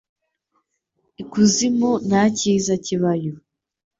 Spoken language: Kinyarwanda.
I kuzimu ntacyiza ki bayo